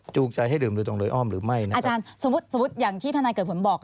ใจให้ดื่มโดยตรงโดยอ้อมหรือไม่นะอาจารย์สมมุติสมมุติอย่างที่ทนายเกิดผลบอก